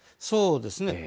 そうですね。